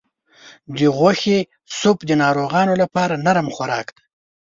د غوښې سوپ د ناروغانو لپاره نرم خوراک دی.